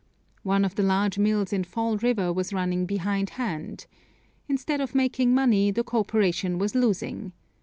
One of the large mills in Fall River was running behind hand. Instead of making money the corporation was losing.